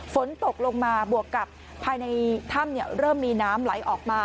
ฝนตกลงมาบวกกับภายในถ้ำเริ่มมีน้ำไหลออกมา